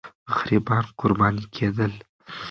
غریبان قرباني کېدل.